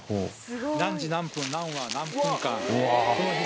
何時何分何羽何分間。